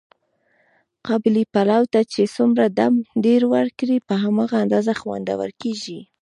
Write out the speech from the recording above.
قابلي پلو ته چې څومره دم ډېر ور کړې، په هماغه اندازه خوندور کېږي.